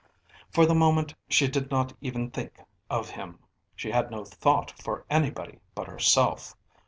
For the moment she did not even think of him, she had no thought for anybody but herself.